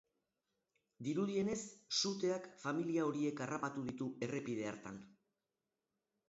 Dirudienez, suteak familia horiek harrapatu ditu errepide hartan.